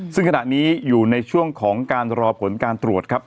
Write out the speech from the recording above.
ซึ่งขณะนี้อยู่ในช่วงของการรอผลการตรวจครับ